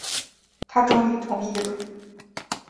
他终于同意了